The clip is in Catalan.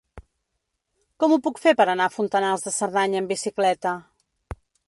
Com ho puc fer per anar a Fontanals de Cerdanya amb bicicleta?